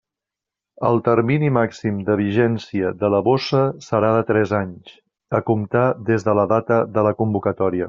El termini màxim de vigència de la bossa serà de tres anys, a comptar des de la data de la convocatòria.